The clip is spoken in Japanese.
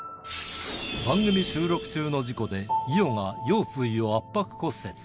番組収録中の事故で、伊代が腰椎を圧迫骨折。